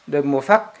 được một phát